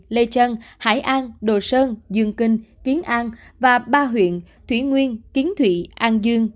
lê trân hải an đồ sơn dương kinh kiến an và ba huyện thủy nguyên kiến thụy an dương